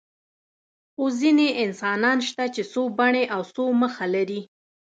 خو ځینې انسانان شته چې څو بڼې او څو مخه لري.